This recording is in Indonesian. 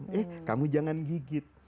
eh kamu jangan gigit